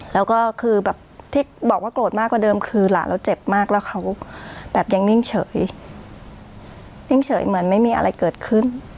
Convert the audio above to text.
แล้วก็คือแบบที่บอกว่าโกรธมากกว่าเดิมคือหลานเราเจ็บมากแล้วเขาแบบยังนิ่งเฉยนิ่งเฉยเหมือนไม่มีอะไรเกิดขึ้น